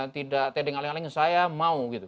tidak teading aling aling saya mau gitu